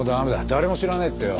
誰も知らねえってよ。